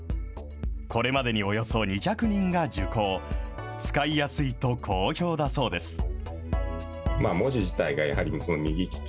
これまでにおよそ２００人が受講、使いやすいと好評だそうです。